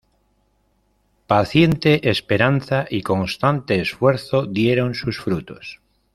Paciente esperanza y constante esfuerzo dieron sus frutos.